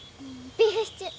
ビーフシチュー！